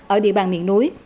ở địa bàn miền núi